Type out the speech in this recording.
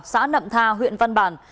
xã nậm tha huyện văn bàn